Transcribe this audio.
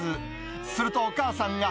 するとお母さんが。